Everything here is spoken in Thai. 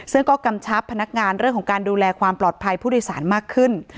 ซึ่งก็กำชับพนักงานเรื่องของการดูแลความปลอดภัยผู้โดยสารมากขึ้น